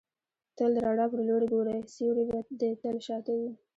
تل د رڼا پر لوري ګورئ! سیوری به دي تل شاته يي.